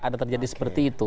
ada terjadi seperti itu